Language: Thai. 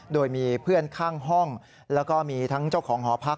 โดยมีเพื่อนข้างห้องแล้วก็มีทั้งเจ้าของหอพัก